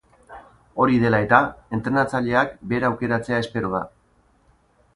Hori dela eta, entrenatzaileak bera aukeratzea espero da.